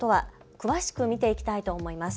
詳しく見ていきたいと思います。